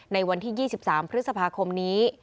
ในวันที่๒๓พฤษภาคมนี้